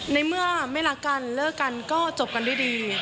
ในเมื่อไม่รักกันเลิกกันก็จบกันด้วยดี